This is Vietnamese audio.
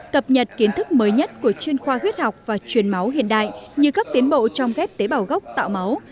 cập nhật kiến thức mới nhất của chuyên khoa huyết học và truyền máu hiện đại như các tiến bộ trong ghép tế bào gốc tạo máu